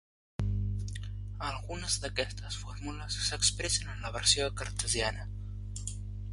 Algunes d'aquestes fórmules s'expressen en la versió "cartesiana".